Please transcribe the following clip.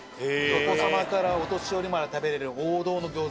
お子さまからお年寄りまで食べれる王道の餃子。